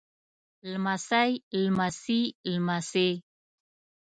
لمسی لمسي لمسې